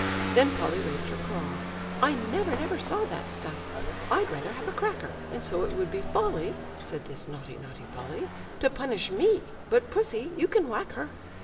Then Polly raised her claw! "I never, never saw That stuff. I'd rather have a cracker, And so it would be folly," Said this naughty, naughty Polly, "To punish me; but Pussy, you can whack her."